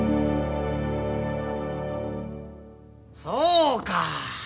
そうか。